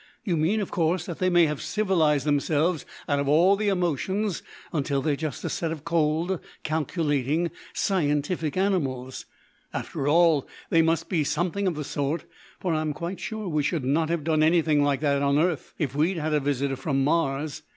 You mean, of course, that they may have civilised themselves out of all the emotions until they're just a set of cold, calculating, scientific animals. After all they must be something of the sort, for I'm quite sure we should not have done anything like that on earth if we'd had a visitor from Mars.